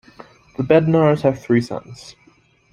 The Bednars have three sons.